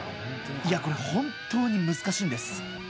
いや、これ本当に難しいんです。